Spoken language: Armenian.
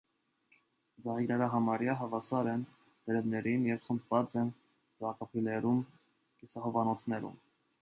Ծաղիկները համարյա հավասար են տերևներին և խմբված են ծաղկաբույլերում, կիսահովանոցներում։